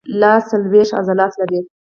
لاس څلورویشت عضلات لري.